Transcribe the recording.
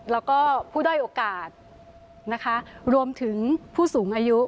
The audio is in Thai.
แล้วก็ผู้ได้โอกาสรวมถึงผู้สูงอายุ